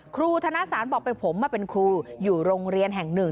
ครูธนสารบอกเป็นผมมาเป็นครูอยู่โรงเรียนแห่งหนึ่ง